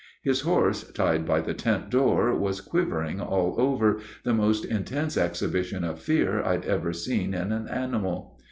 His horse, tied by the tent door, was quivering all over, the most intense exhibition of fear I'd ever seen in an animal.